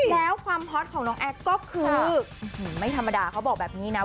แล้วความฮอตของน้องแอ๊กก็คือไม่ธรรมดาเขาบอกแบบนี้นะ